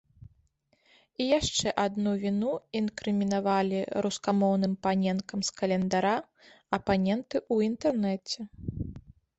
І яшчэ адну віну інкрымінавалі рускамоўным паненкам з календара апаненты ў інтэрнэце.